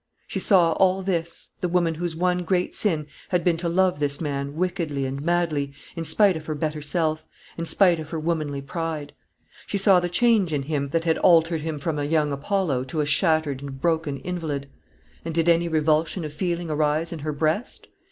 She saw all this, the woman whose one great sin had been to love this man wickedly and madly, in spite of her better self, in spite of her womanly pride; she saw the change in him that had altered him from a young Apollo to a shattered and broken invalid. And did any revulsion of feeling arise in her breast?